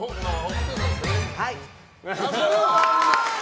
はい！